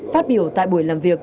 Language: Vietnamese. phát biểu tại buổi làm việc